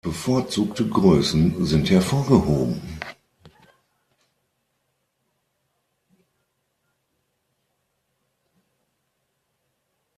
Bevorzugte Größen sind hervorgehoben.